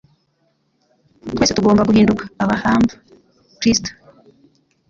Twese tugomba guhinduka abahamva Kristo.